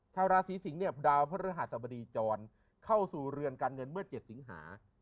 ชาวราศีสิงศ์พุทธพระฤรษฐรรมดีจรเข้าสู่เรือนกันเงินเมื่อ๗สิงหา